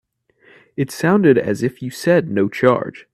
It sounded as if you said no charge.